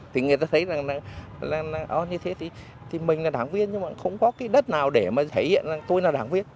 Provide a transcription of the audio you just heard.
thì người ta thấy rằng là như thế thì mình là đảng viên nhưng mà không có cái đất nào để mà thể hiện rằng tôi là đảng viên